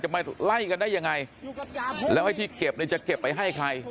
มาไล่กันได้ยังไงแล้วไอ้ที่เก็บเนี่ยจะเก็บไปให้ใคร